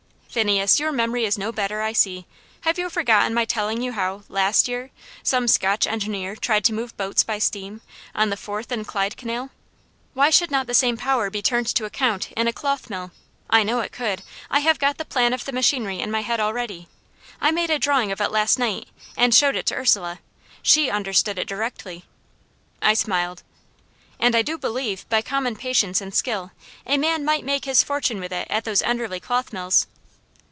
"Phineas, your memory is no better, I see. Have you forgotten my telling you how, last year, some Scotch engineer tried to move boats by steam, on the Forth and Clyde canal? Why should not the same power be turned to account in a cloth mill? I know it could I have got the plan of the machinery in my head already. I made a drawing of it last night, and showed it to Ursula; SHE understood it directly." I smiled. "And I do believe, by common patience and skill, a man might make his fortune with it at those Enderley cloth mills."